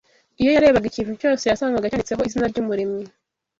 Iyo yarebaga ikintu cyose yasangaga cyanditsweho izina ry’Umuremyi